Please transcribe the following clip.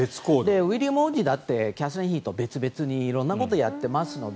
ウィリアム皇太子だってキャサリン妃と別々に色んなことやってますので。